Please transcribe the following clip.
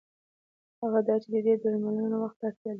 هغه دا چې د دې درملنه وخت ته اړتیا لري.